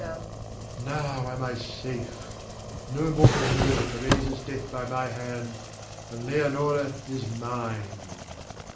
Now am I safe, no mortal knows of Theresa's death by my hand, and Leonore is mine.